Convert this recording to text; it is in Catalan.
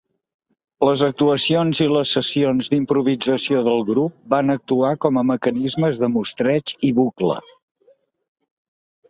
Les actuacions i les sessions d'improvisació del grup van actuar com mecanismes de mostreig i bucle.